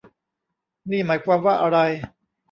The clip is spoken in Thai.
นี่หมายความว่าอะไร